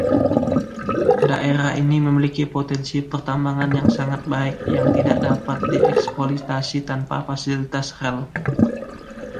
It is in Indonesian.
Daerah ini memiliki potensi pertambangan yang sangat baik yang tidak dapat dieksploitasi tanpa fasilitas rel.